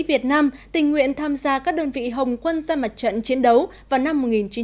việt nam tình nguyện tham gia các đơn vị hồng quân ra mặt trận chiến đấu vào năm một nghìn chín trăm bảy mươi